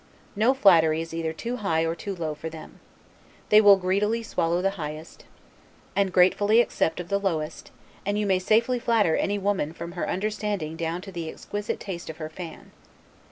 No flattery is either too high or too low for them. They will greedily swallow the highest, and gratefully accept of the lowest; and you may safely flatter any woman from her understanding down to the exquisite taste of her fan.